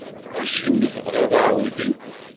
Acimi i tebɣiḍ aɛewdiw?